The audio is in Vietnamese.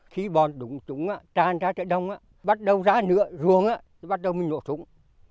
khi bọn đụng chúng tràn ra chợ đông bắt đầu ra rừng bắt đầu mình nộ súng